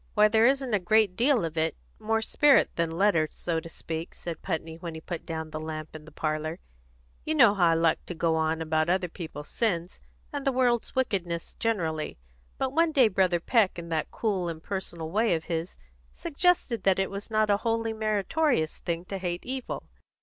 "Why, there isn't a great deal of it more spirit than letter, so to speak," said Putney, when he put down the lamp in the parlour. "You know how I like to go on about other people's sins, and the world's wickedness generally; but one day Brother Peck, in that cool, impersonal way of his, suggested that it was not a wholly meritorious thing to hate evil.